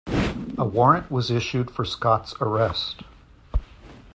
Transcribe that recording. A warrant was issued for Scott's arrest.